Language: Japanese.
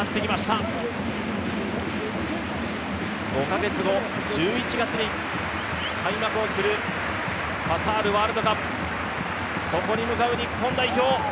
５カ月後、１１月に開幕するカタールワールドカップ、そこに向かう日本代表。